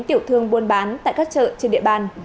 tiểu thương buôn bán tại các chợ trên địa bàn